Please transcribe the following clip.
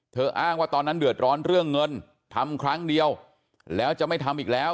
อ้างว่าตอนนั้นเดือดร้อนเรื่องเงินทำครั้งเดียวแล้วจะไม่ทำอีกแล้ว